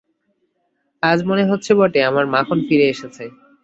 আজ মনে হচ্ছে বটে, আমার মাখন ফিরে এসেছে।